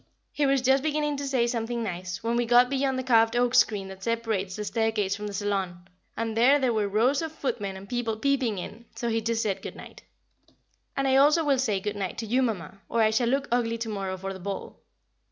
He was just beginning to say something nice, when we got beyond the carved oak screen that separates the staircase from the saloon, and there there were rows of footmen and people peeping in, so he just said "Good night." [Sidenote: A Good night] And I also will say good night to you, Mamma, or I shall look ugly to morrow for the ball.